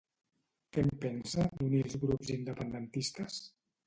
Què en pensa, d'unir els grups independentistes?